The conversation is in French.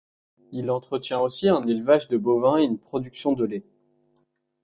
Il entretient aussi un élevage de bovins et une production de lait.